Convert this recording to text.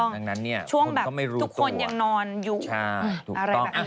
ดังนั้นช่วงแบบทุกคนยังนอนยุ่ง